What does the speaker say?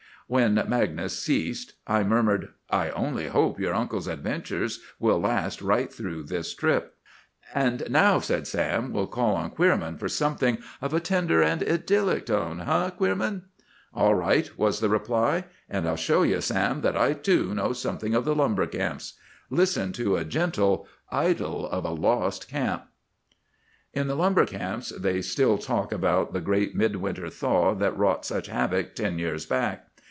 When Magnus ceased I murmured, "I only hope your uncle's adventures will last right through this trip." "And now," said Sam, "we'll call on Queerman for something of a tender and idyllic tone; eh, Queerman?" "All right," was the reply. "And I'll show you, Sam, that I, too, know something of the lumber camps. Listen to a gentle— 'IDYL OF LOST CAMP.' "In the lumber camps they still talk about the great midwinter thaw that wrought such havoc ten years back.